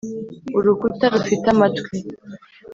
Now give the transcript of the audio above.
urukuta rufite amatwi